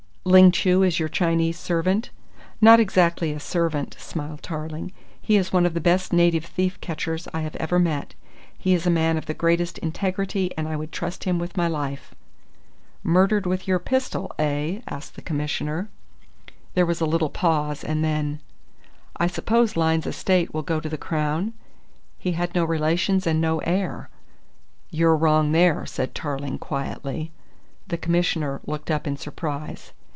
"Ling Chu is your Chinese servant?" "Not exactly a servant," smiled Tarling. "He is one of the best native thief catchers I have ever met. He is a man of the greatest integrity and I would trust him with my life." "Murdered with your pistol, eh?" asked the Commissioner. There was a little pause and then: "I suppose Lyne's estate will go to the Crown? He has no relations and no heir." "You're wrong there," said Tarling quietly. The Commissioner looked up in surprise.